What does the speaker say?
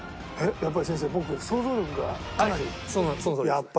やっぱり先生僕想像力がかなり。